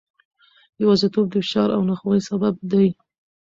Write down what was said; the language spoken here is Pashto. یوازیتوب د فشار او ناخوښۍ سبب دی.